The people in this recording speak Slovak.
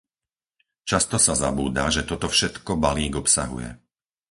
Často sa zabúda, že toto všetko balík obsahuje.